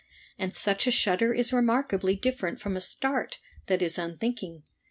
And such a shudder is remarkably different from a start that is unthinking.